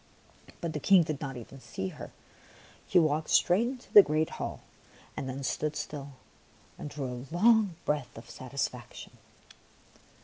But the King did not even see her ; he walked straight into the great hall and then stood still and drew a long breath of satisfaction.